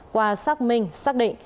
qua xác minh xác định